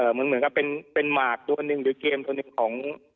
เหมือนกับเป็นหมากตัวหนึ่งหรือเกมตัวหนึ่งของ